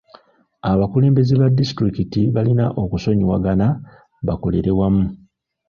Abakulembeze ba disitulikiti balina okusonyiwagana bakolere wamu.